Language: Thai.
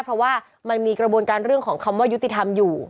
เพราะว่ามันมีกระบวนการเรื่องของคำว่ายุติธรรมอยู่